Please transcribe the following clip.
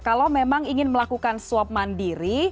kalau memang ingin melakukan swab mandiri